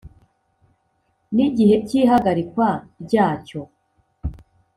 n igihe cy ihagarikwa ryacyo